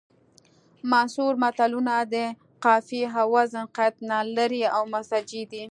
منثور متلونه د قافیې او وزن قید نه لري او مسجع دي